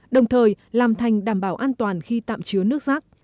đồng thời làm thành đảm bảo an toàn khi tạm chứa nước rác